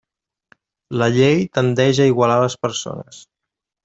La llei tendeix a igualar les persones.